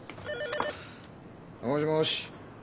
☎もしもし。